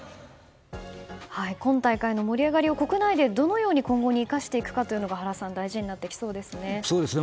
今大会の盛り上がりを国内でどのように今後生かしていくかが原さん大事になってきそうですね。